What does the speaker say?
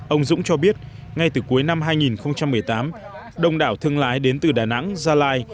ông dũng cho biết ngay từ cuối năm hai nghìn một mươi tám đông đảo thương lái đến từ đà nẵng gia lai